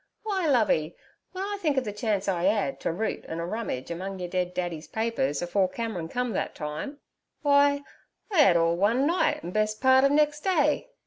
W'y, Lovey, w'en I think ov the chance I 'ad t' root an' a rummage among yer dead daddy's papers afore Cameron come thet time—w'y, I 'ad all one night, an' best part ov nex' day.